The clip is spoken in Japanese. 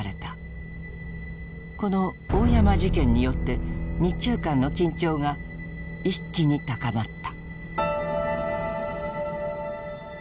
この大山事件によって日中間の緊張が一気に高まった。